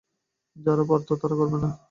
যারা পারত, তারা করবে না।